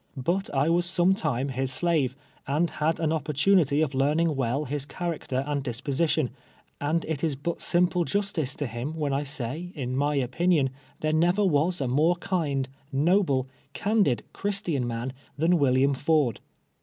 But I was sometime his slave, and had an opportunity of learning M'ell his character and disposition, anil it is liut siin])lt,' justice to liiui M'hen I say, in my ojunion, there never was a more kind, no ble, candid, Christian man tlian William Ford.